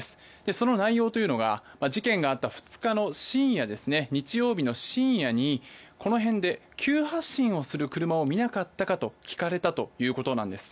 その内容は事件があった２日の深夜日曜日の深夜にこの辺で急発進する車を見なかったか？と聞かれたということなんです。